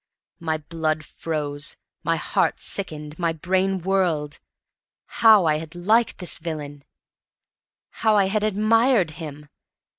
My blood froze. My heart sickened. My brain whirled. How I had liked this villain! How I had admired him!